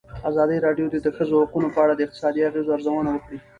ازادي راډیو د د ښځو حقونه په اړه د اقتصادي اغېزو ارزونه کړې.